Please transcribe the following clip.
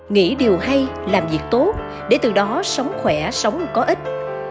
nghĩ điều hay làm việc tốt để từ đó sống khỏe sống có ích